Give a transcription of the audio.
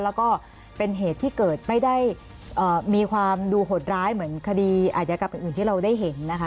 แล้วก็เป็นเหตุที่เกิดไม่ได้มีความดูหดร้ายเหมือนคดีอาจยกรรมอื่นที่เราได้เห็นนะคะ